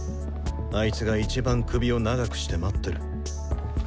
あいつがいちばん首を長くして待ってる。